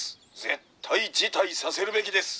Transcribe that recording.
絶対辞退させるべきです」。